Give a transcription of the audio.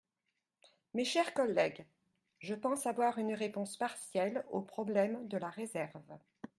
Mes chers collègues, je pense avoir une réponse partielle au problème de la réserve.